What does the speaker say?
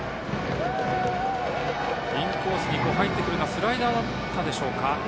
インコースに入ってくるスライダーだったでしょうか。